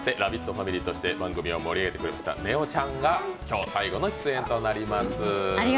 ファミリーとして番組を盛り上げてくれたねおちゃんが今日最後の出演となります。